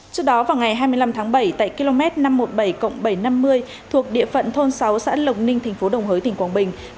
trước đó vào ngày hai mươi năm tháng bảy tại km năm trăm một mươi bảy bảy trăm năm mươi thuộc địa phận thôn sáu xã lộc ninh tp đồng hới tỉnh quảng bình